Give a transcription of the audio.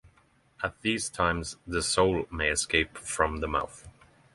At these times the soul may escape from the mouth.